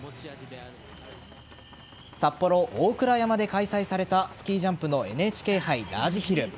札幌・大倉山で開催されたスキージャンプのＮＨＫ杯ラージヒル。